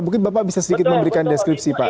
mungkin bapak bisa sedikit memberikan deskripsi pak